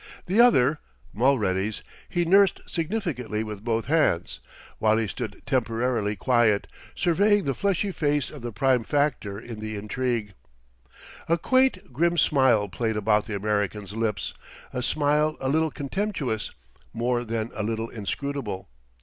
The other, Mulready's, he nursed significantly with both hands, while he stood temporarily quiet, surveying the fleshy face of the prime factor in the intrigue. A quaint, grim smile played about the American's lips, a smile a little contemptuous, more than a little inscrutable.